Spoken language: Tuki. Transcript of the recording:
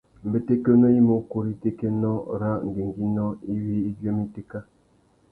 Mbétékénô i mú ukú râ itékénô râ ngüéngüinô iwí i djuêmú itéka.